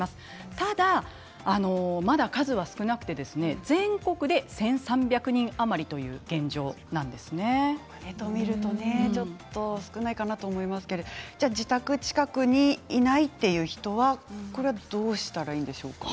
ただ、まだ数が少なくて全国で１３００人余りというちょっと少ないかなと思いますけど自宅近くにいないという人はどうしたらいいでしょうか？